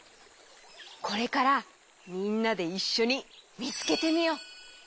これからみんなでいっしょにみつけてみよう！